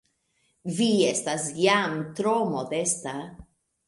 Vi estas jam tro modesta!